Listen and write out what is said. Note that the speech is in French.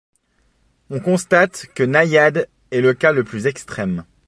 On constate que Naïade est le cas le plus extrême.